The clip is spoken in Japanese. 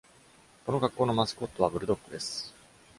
この学校のマスコットはブルドッグです。